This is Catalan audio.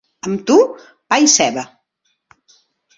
Amb tu, pa i ceba.